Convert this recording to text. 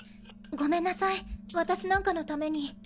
ごめんなさい私なんかのために。